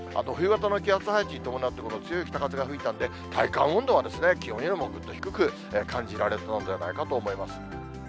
冬型の気圧配置に伴って強い北風が吹いたんで、体感温度は気温よりもぐっと低く感じられたのではないかと思います。